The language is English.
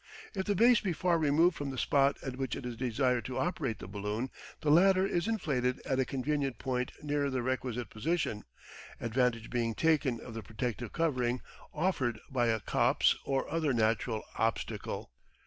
If the base be far removed from the spot at which it is desired to operate the balloon, the latter is inflated at a convenient point nearer the requisite position, advantage being taken of the protective covering offered by a copse or other natural obstacle.